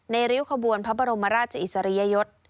ในริวคบวนพระบรมราชอิสริยะยท